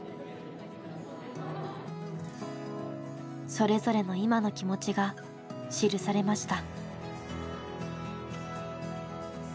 それぞれの今の気持ちが記されました。